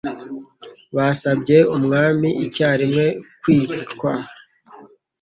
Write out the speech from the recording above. Basabye umwami icyarimwe kwicwa.